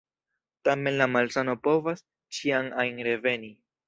Tamen la malsano povas ĉiam ajn reveni.